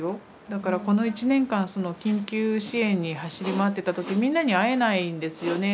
だからこの１年間緊急支援に走り回ってた時みんなに会えないんですよね。